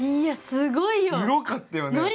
すごかったよね。